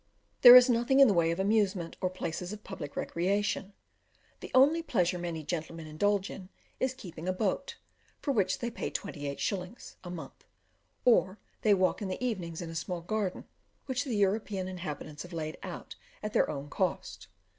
There is nothing in the way of amusement, or places of public recreation; the only pleasure many gentlemen indulge in, is keeping a boat, for which they pay 28s. a month, or they walk in the evenings in a small garden, which the European inhabitants have laid out at their own cost.